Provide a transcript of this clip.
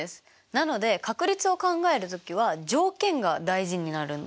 なので確率を考える時は条件が大事になるんです。